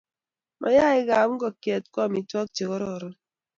Mayaikab ngokyet ko amitwokik che kororon